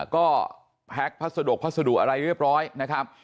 ก็แพ็คพัสดุพัสดุอะไรเรียบร้อยนะครับ